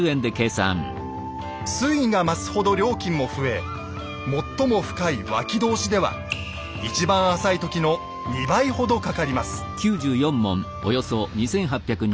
水位が増すほど料金も増え最も深い「脇通」では一番浅い時の２倍ほどかかります。